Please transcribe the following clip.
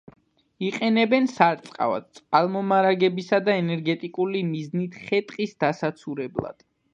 იყენებენ სარწყავად, წყალმომარაგებისა და ენერგეტიკული მიზნით, ხე-ტყის დასაცურებლად.